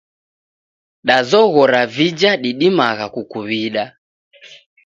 Dazoghora vija didimagha kukuw'ida.